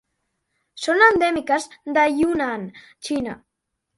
Són endèmiques de Yunnan, Xina.